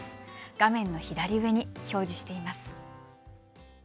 画面の左上に表示しています。